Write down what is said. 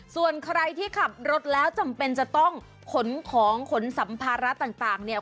ส่วนใครที่ขับรถแล้วจำเป็นจะต้องขนของขนสัมภาระต่างเนี่ย